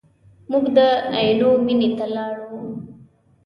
موږ د عینو مینې ته ولاړو.